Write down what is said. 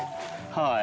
はい。